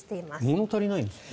物足りないんですね。